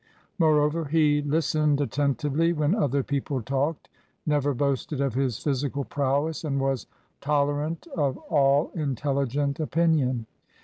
Moreover, he lis tened attentively when other people talked, never boasted of his physical prowess, and was tol erant of all intelligent opinion.